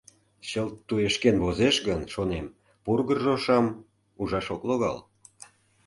Чылт туешкен возеш гын, шонем, Пургыж рошам ужаш ок логал.